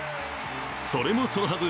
それもそのはず。